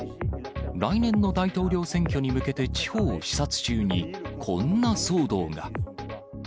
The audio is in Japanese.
来年の大統領選挙に向けて、地方を視察中に、こんな騒動が。